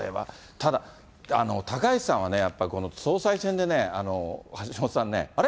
ただ、高市さんはね、やっぱ、この総裁選でね、橋下さんね、あれ？